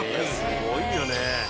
すごいよね。